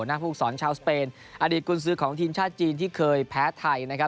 นักภูกษรชาวสเปนอดีตกุญสือของทีมชาติจีนที่เคยแพ้ไทย